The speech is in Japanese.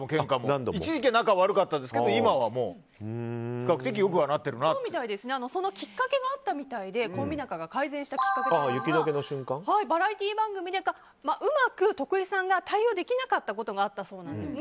一時期は仲悪かったですけどそのきっかけがあったみたいで改善したきっかけがバラエティー番組でうまく徳井さんが対応できなかったことがあったそうなんです。